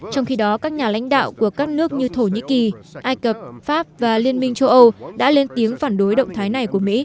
trong khi đó các nhà lãnh đạo của các nước như thổ nhĩ kỳ ai cập pháp và liên minh châu âu đã lên tiếng phản đối động thái này của mỹ